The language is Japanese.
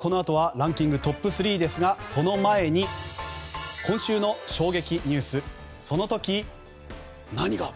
このあとはランキングトップ３ですがその前に今週の衝撃ニュースその時何が。